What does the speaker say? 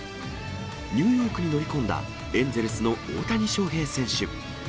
ニューヨークに乗り込んだ、エンゼルスの大谷翔平選手。